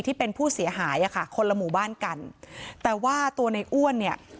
ที่เป็นผู้เสียหายอ่ะค่ะคนละหมู่บ้านกันแต่ว่าตัวในอ้วนเนี่ย